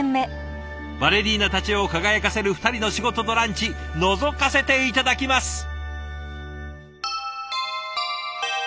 バレリーナたちを輝かせる２人の仕事とランチのぞかせて頂きます。